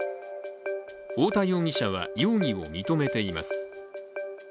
太田容疑者は容疑を認めています。